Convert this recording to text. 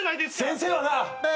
先生はな